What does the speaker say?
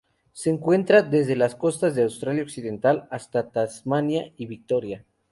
Se encuentra desde las costas de Australia Occidental hasta Tasmania y Victoria.